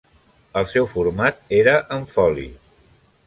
El seu format era en foli.